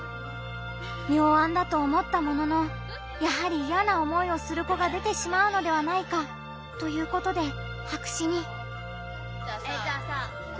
妙案だと思ったものの「やはりイヤな思いをする子が出てしまうのではないか」ということで白紙に。